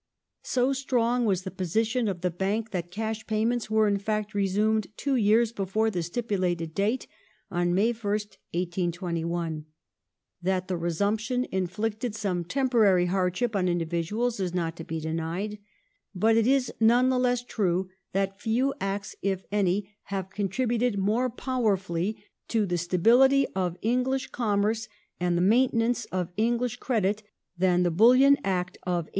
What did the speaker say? So strong was the position of the Bank that cash payments were in fact resumed two yeai s before the stipulated date — on May 1st, 1821. That the resumption inflicted some temporary hardship on individuals is not to be denied, but it is none the less true that few Acts, if any, have contributed more powerfully to the stability of English _/ commerce and the maintenance of English credit than the Bulliim V Act of 1819.